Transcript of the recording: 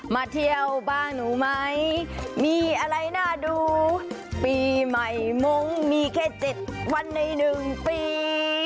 มาเที่ยวบ้านหนูไหมมีอะไรน่าดูปีใหม่มงค์มีแค่๗วันใน๑ปี